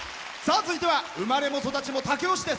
続いては生まれも育ちも武雄市です。